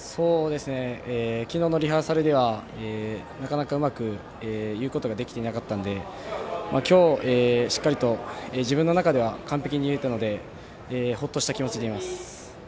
昨日のリハーサルではなかなかうまく言うことができていなかったので今日、しっかりと自分の中では完璧に言えたのでほっとした気持ちでいます。